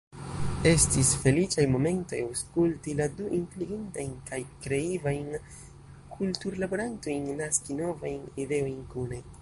Estis feliĉaj momentoj aŭskulti la du inteligentajn kaj kreivajn ”kulturlaborantojn” naski novajn ideojn kune.